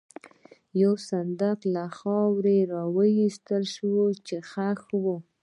یو صندوق له خاورې را وایستل شو، چې ښخ و.